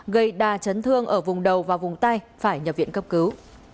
gây đa chấn thương ở vùng đầu và vùng tay phải nhập viện cấp cứu